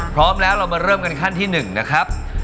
พร้อมแล้วเรามาเริ่มกันขั้นที่๑นะครับ